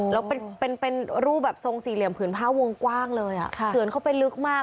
แล้วเป็นรูปแบบทรงสี่เหลี่ยมผืนผ้าวงกว้างเลยอ่ะเฉือนเข้าไปลึกมาก